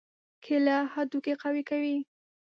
کېله هډوکي قوي کوي.